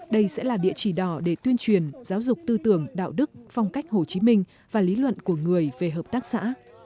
đây sẽ là địa chỉ đỏ để tuyên truyền giáo dục tư tưởng đạo đức phong cách hồ chí minh và lý luận của người về hợp tác xã